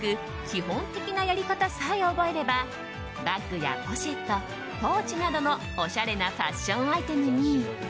基本的なやり方さえ覚えればバッグやポシェットポーチなどのおしゃれなファッションアイテムに。